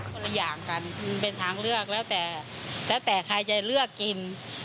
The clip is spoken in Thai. ตัวละอย่างกันมันเป็นทางเลือกแล้วแต่ใครจะเลือกกิน